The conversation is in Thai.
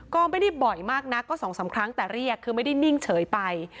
ก็ไม่ได้บ่อยมากนักก็๒๓ครั้งแต่เรียกคือไม่ได้นิ่งเฉยไป